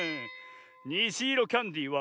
「にじいろキャンディー」は。